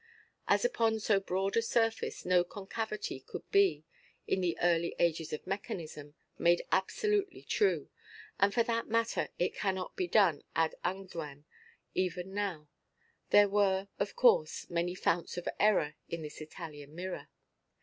As upon so broad a surface no concavity could be, in the early ages of mechanism, made absolutely true—and for that matter it cannot be done ad unguem, even now—there were, of course, many founts of error in this Italian mirror.